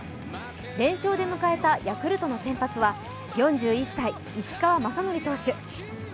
連勝で迎えたヤクルトの先発は４１歳、石川雅規投手。